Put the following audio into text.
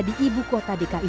di ibu kota dekat ini